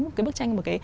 một cái bức tranh mà